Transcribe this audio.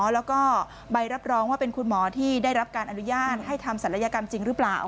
แล้วก็ใบรับรองว่าเป็นคุณหมอที่ได้รับการอนุญาตให้ทำศัลยกรรมจริงหรือเปล่า